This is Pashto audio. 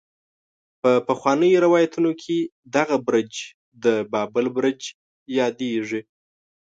په پخوانو روايتونو کې دغه برج د بابل برج يادېږي.